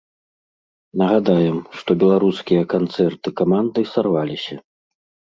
Нагадаем, што беларускія канцэрты каманды сарваліся.